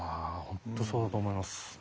本当そうだと思います。